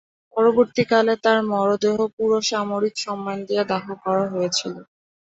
পরবর্তীকালে তাঁর মরদেহ পুরো সামরিক সম্মান দিয়ে দাহ করা হয়েছিল।